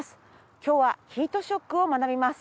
今日はヒートショックを学びます。